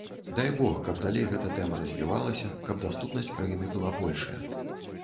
Дай бог, каб далей гэта тэма развівалася, каб даступнасць краіны была большая.